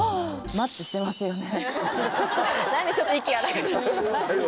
「マッチしてますよね」。